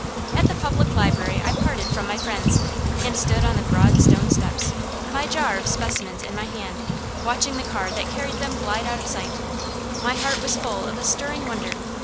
At the Public Library I parted from my friends, and stood on the broad stone steps, my jar of specimens in my hand, watching the car that carried them glide out of sight. My heart was full of a stirring wonder.